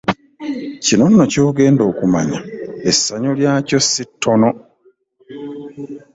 Kino nno ky'ogenda okumanya essanyu lyakyo si ttono.